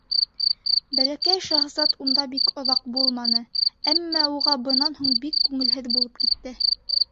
Бәләкәй шаһзат унда бик оҙаҡ булманы, әммә уға бынан һуң бик күңелһеҙ булып китте.